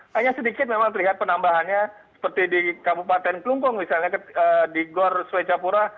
hanya sedikit memang terlihat penambahannya seperti di kabupaten klungkung misalnya di gor swecapura